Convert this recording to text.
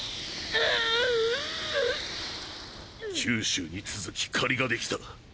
九州に続き借りができた。